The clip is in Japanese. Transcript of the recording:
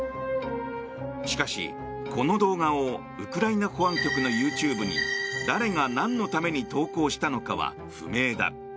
しかし、この動画をウクライナ保安局のＹｏｕＴｕｂｅに誰がなんのために投稿したのかは不明だ。